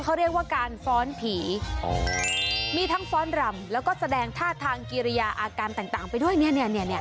เขาเรียกว่าการฟ้อนผีมีทั้งฟ้อนรำแล้วก็แสดงท่าทางกิริยาอาการต่างต่างไปด้วยเนี่ยเนี่ย